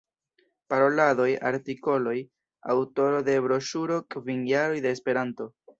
Paroladoj, artikoloj; aŭtoro de broŝuro Kvin jaroj de Esperanto.